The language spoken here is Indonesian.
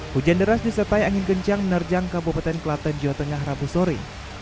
hujan deras disertai angin kencang menerjang kabupaten kelaten jawa tengah rabu sore